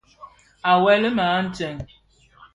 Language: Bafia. À weli më a ntseng.